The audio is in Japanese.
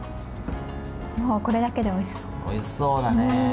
もう、これだけでおいしそう。